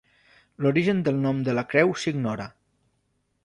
L'origen del nom de la creu s'ignora.